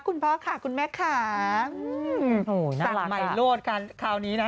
คุณพาค่ะคุณแม่ค่ะ